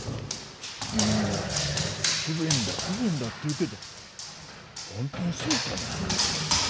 みんな不便だ不便だって言うけどほんとにそうかな？